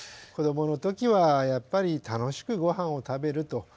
子どもの時はやっぱり楽しくごはんを食べると。